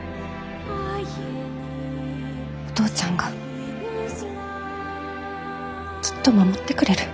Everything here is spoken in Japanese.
お父ちゃんがきっと守ってくれる。